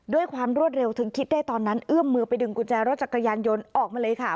ด้วยความรวดเร็วถึงคิดได้ตอนนั้นเอื้อมมือไปดึงกุญแจรถจักรยานยนต์ออกมาเลยค่ะ